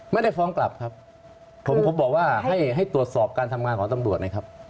ไม่ได้ฟ้องกลับครับผมผมบอกว่าให้ให้ตรวจสอบการทำงานของตำรวจนะครับ